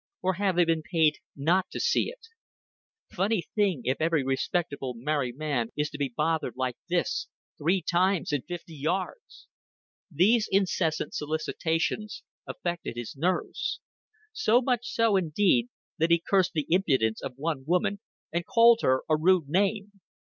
Or have they been paid not to see it? Funny thing if every respectable married man is to be bothered like this three times in fifty yards!" These incessant solicitations affected his nerves. So much so, indeed, that he cursed the impudence of one woman and called her a rude name.